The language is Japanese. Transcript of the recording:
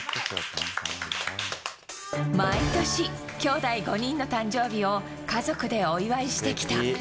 毎年、きょうだい５人の誕生日を家族でお祝いしてきた。